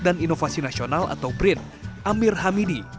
dan inovasi nasional atau brin amir hamidi